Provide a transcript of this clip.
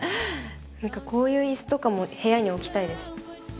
こういうイスとかも部屋に置きたいです。